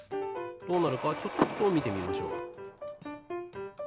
どうなるかちょっとみてみましょう。